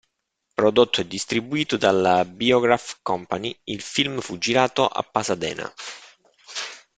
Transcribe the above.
Prodotto e distribuito dalla Biograph Company, il film fu girato a Pasadena.